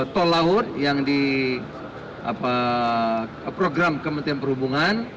tol laut yang di program kementerian perhubungan